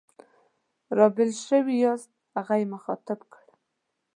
را بېل شوي یاست؟ هغه یې مخاطب کړ.